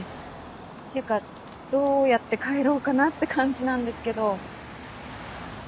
ていうかどうやって帰ろうかなって感じなんですけど。